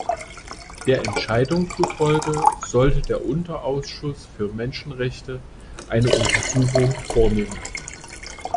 Der Entscheidung zufolge sollte der Unterausschuss für Menschenrechte eine Untersuchung vornehmen.